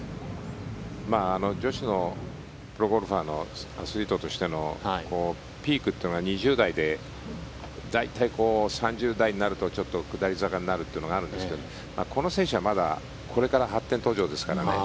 女子のプロゴルファーのアスリートとしてのピークっていうのが２０代で大体３０代になるとちょっと下り坂になるというのがあるんですけどこの選手はまだこれから発展途上ですからね。